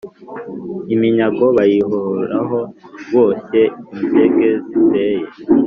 Iminyago bayirohaho, boshye inzige ziteye,